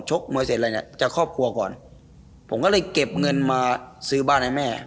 มวยเสร็จอะไรเนี่ยจะครอบครัวก่อนผมก็เลยเก็บเงินมาซื้อบ้านให้แม่